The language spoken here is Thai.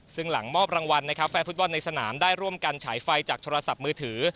ซึ่งหลังมอบรางวัลนะครับแฟนฟุตบอลในสนามได้ร่วมกันฉายไฟจากโทรศัพท์มือถือ